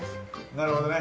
なるほどね。